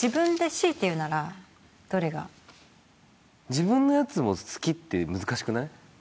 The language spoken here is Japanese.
自分のやつを好きって難しくない？